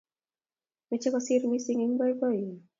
Meche kosiir missing eng boinyonyi